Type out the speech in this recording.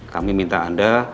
kami minta anda